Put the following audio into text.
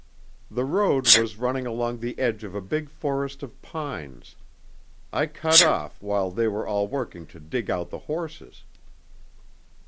The road was running along the edge of a big forest of pines. I cut off while they were all working to dig out the horses.